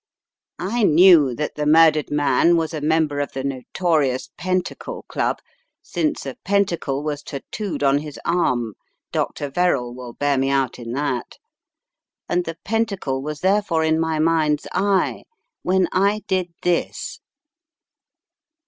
"I knew that the murdered man was a member of the notorious Fentacle Club, since a pentacle was tattooed on his arm — Dr. Verrall will bear me out in that — and the pentacle was therefore in my mind's eye when I did this."